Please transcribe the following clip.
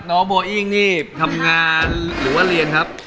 น้องโบอิ้งนี่ทำงานหรือว่าเรียนครับ